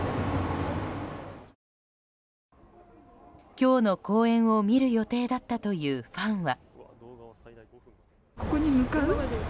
今日の公演を見る予定だったというファンは。